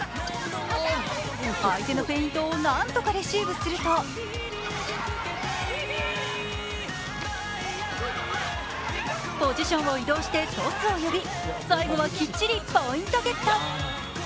相手のフェイントを何とかレシーブするとポジションを移動してトスを呼び、最後はきっちりポイントゲット。